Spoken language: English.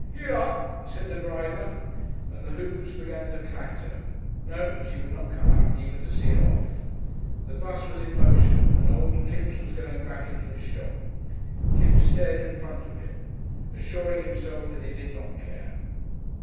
"Get up!" said the driver, and the hoofs began to clatter. No she would not come out even to see him off. The bus was in motion, and old Kipps was going back into his shop. Kipps stared in front of him, assuring himself that he did not care.